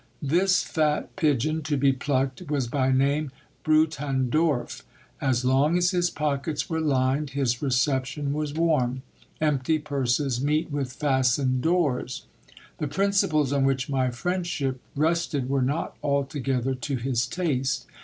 This fat pigeon to be plucked was by name Brutandorf. As long as his pockets were lined, his reception was warm : empty purses meet, with fastened doors. The principles on which my friendship rested were not altogether to his taste.